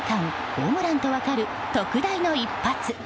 ホームランと分かる特大の一発。